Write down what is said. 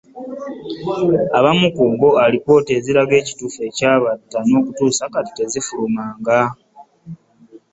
Abamu ku bbo alipoota eziraga ekituufu ekyabatta n'okutuusa kati tezifulumanga